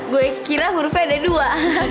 gue kira hurve ada dua